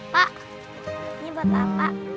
pak ini buat papa